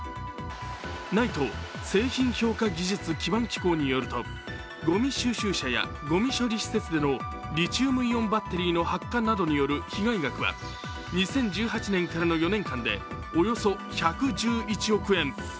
ＮＩＴＥ＝製品評価技術基盤機構によると、ごみ収集車やごみ処理施設でのリチウムイオンバッテリーの発火などによる被害額は２０１８年からの４年間でおよそ１１１億円。